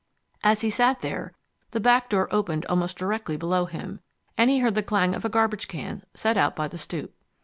As he sat there, the back door opened almost directly below him, and he heard the clang of a garbage can set out by the stoop.